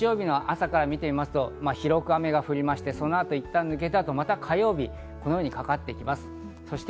日曜日の朝から見てみますと広く雨が降りまして、そのあといったん抜けた後、また火曜日、このようにかかってきます。